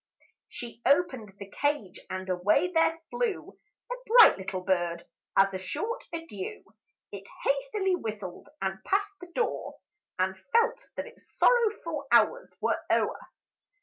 She opened the cage, and away there flew A bright little bird, as a short adieu It hastily whistled, and passed the door, And felt that its sorrowful hours were o'er.